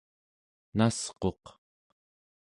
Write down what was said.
nasquq